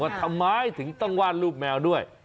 ทำไมถึงต้องวาดรูปแมวด้วย